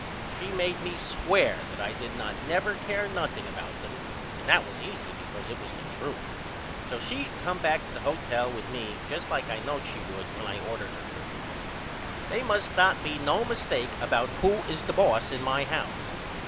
She made me sware that I did not never care nothing about them and that was easy because it was the truth. So she come back to the hotel with me just like I knowed she would when I ordered her to. They must not be no mistake about who is the boss in my house.